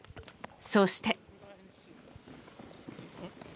そして。